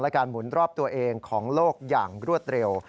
การหมุนรอบตัวเองของโลกอย่างรวดเร็ว